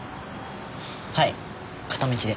はい片道で。